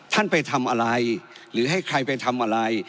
ท่านไปทำอะไรหรือให้ใครไปทำอะไร